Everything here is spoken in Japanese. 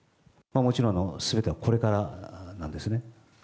もちろんすべてはこれからなんですね。